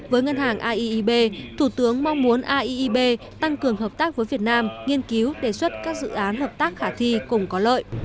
với ngân hàng aib thủ tướng mong muốn aib tăng cường hợp tác với việt nam nghiên cứu đề xuất các dự án hợp tác khả thi cùng có lợi